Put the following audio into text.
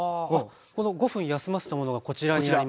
この５分休ませたものがこちらになります。